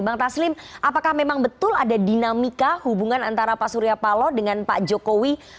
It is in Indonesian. bang taslim apakah memang betul ada dinamika hubungan antara pak surya palo dengan pak jokowi